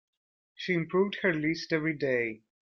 She improved her list every day.